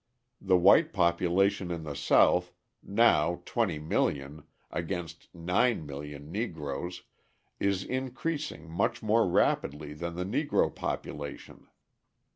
The white population in the South, now 20,000,000 against 9,000,000 Negroes, is increasing much more rapidly than the Negro population.